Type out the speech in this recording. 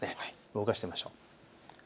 動かしてみましょう。